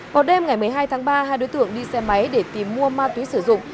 vào đêm ngày một mươi hai tháng ba hai đối tượng đi xe máy để tìm mua ma túy sử dụng